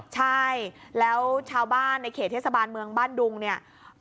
ใช่แล้วชาวบ้านในเขตเทศบาลเมืองบ้านดุงเนี่ย